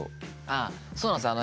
ああそうなんですよ。